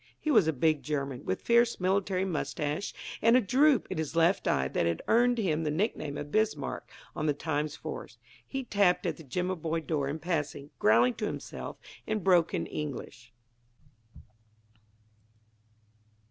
He was a big German, with fierce military mustaches and a droop in his left eye that had earned him the nickname of "Bismarck" on the Times force. He tapped at the Jimaboy door in passing, growling to himself in broken English.